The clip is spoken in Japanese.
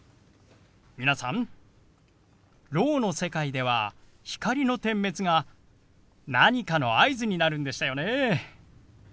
皆さんろうの世界では光の点滅が何かの合図になるんでしたよね？